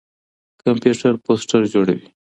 کمپيوټر پوسټر جوړوي.